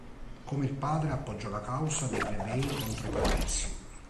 Come il padre appoggiò la causa dei plebei contro i patrizi.